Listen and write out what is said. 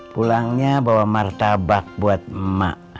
pulangnya bawa martabak buat emak